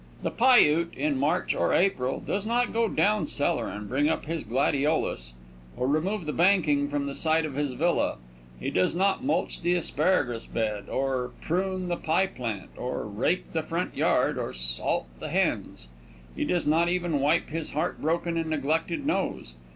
The Piute, in March or April, does not go down cellar and bring up his gladiolus, or remove the banking from the side of his villa. He does not mulch the asparagus bed, or prune the pie plant, or rake the front yard, or salt the hens. He does not even wipe his heartbroken and neglected nose.